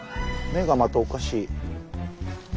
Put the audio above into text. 目がまたおかしい。